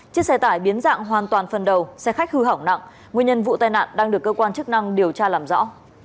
chiếc xe tải biến dạng hoàn toàn phần đầu xe khách hư hỏng nặng nguyên nhân vụ tai nạn đang được cơ quan chức năng điều tra làm rõ